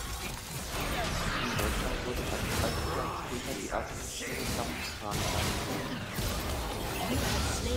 In Deutschland wurden erst dreißig Jahre später die ersten Schienen-Dampfkrane hergestellt.